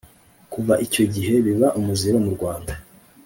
kuva icyo gihe biba umuziro mu rwanda\